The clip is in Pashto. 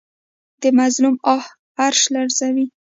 د مظلوم آه عرش لرزوي